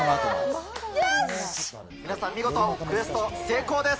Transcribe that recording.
皆さん見事クエスト成功です。